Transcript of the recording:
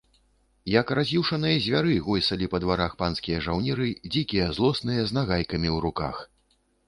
Як раз'юшаныя звяры, гойсалі па дварах панскія жаўнеры, дзікія, злосныя, з нагайкамі ў руках.